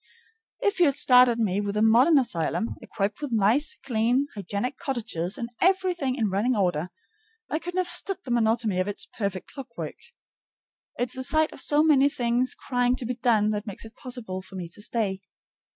If you had started me with a modern asylum, equipped with nice, clean, hygienic cottages and everything in running order, I couldn't have stood the monotony of its perfect clockwork. It's the sight of so many things crying to be done that makes it possible for me to stay.